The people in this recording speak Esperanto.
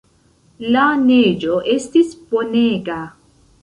La neĝo estis bonega.